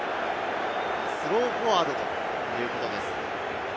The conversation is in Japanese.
スローフォワードということです。